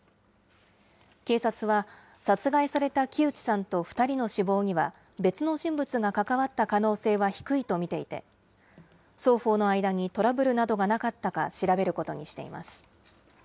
警察は、殺害された木内さんと２人の死亡には、別の人物が関わった可能性は低いと見ていて、双方の間にトラブルなどがなかったか調べることにしています。